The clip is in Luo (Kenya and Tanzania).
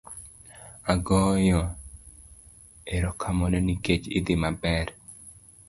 agoyo aromakano nikech idhi maber